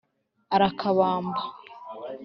Arakabamba